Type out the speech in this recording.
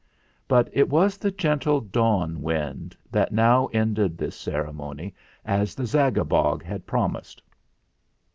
But it was the gentle Dawn Wind that now ended this ceremony, as the Zagabog had promised.